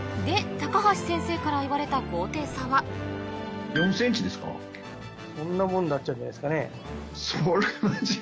高橋先生から言われた高低差はそんなもんになっちゃうんじゃないですかね。